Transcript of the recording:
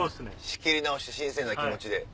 仕切り直して新鮮な気持ちで。